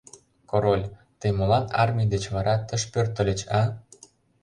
Король, тый молан армий деч вара тыш пӧртыльыч, а?